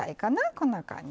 こんな感じ。